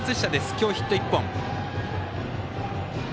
今日ヒット１本。